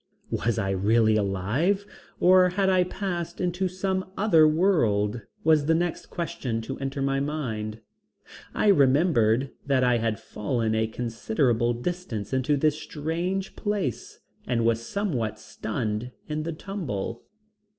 Was I really alive or had I passed into some other world, was the next question to enter my mind. I remembered that I had fallen a considerable distance into this strange place and was somewhat stunned in the tumble.